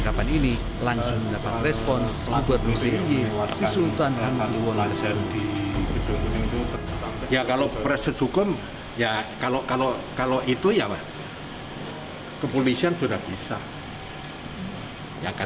kepolisian sudah bisa